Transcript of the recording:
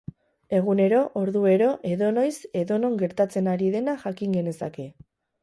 Egunero, orduero, edonoiz edonon gertatzen ari dena jakin genezake.